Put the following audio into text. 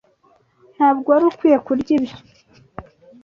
Ntabwo wari ukwiye kurya ibyo.